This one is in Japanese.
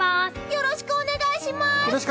よろしくお願いします！